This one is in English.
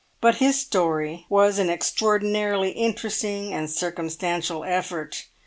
But his story was an extraordinarily interesting and circumstantial effort.